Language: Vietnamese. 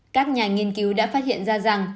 các nhà nghiên cứu đã phát hiện ra rằng